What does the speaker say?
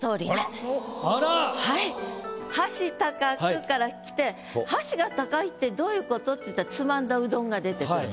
「箸高く」からきて箸が高いってどういうこと？っていったらつまんだうどんが出てくる。